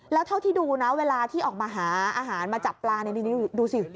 แล้วเท่าที่ดูนะเวลาที่ออกมาหาอาหารมาจับปลาดูสิ